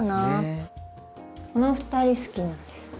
この２人好きなんです。